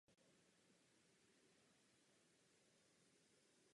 Nová verze s výkonnějšími motory měla zvýšenou maximální vzletovou hmotnost.